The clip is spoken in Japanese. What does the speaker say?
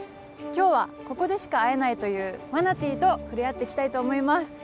今日はここでしか会えないというマナティーと触れ合っていきたいと思います。